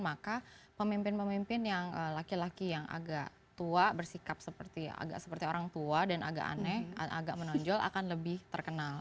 karena pemimpin pemimpin yang laki laki yang agak tua bersikap seperti agak seperti orang tua dan agak aneh agak menonjol akan lebih terkenal